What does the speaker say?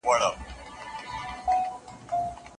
که ته بهر پاتې شې نو د یخنۍ له امله به ناروغه شې.